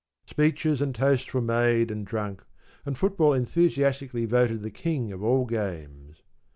Speeches and toasts were made and drunk, and football enthusiastically voted the king of all games.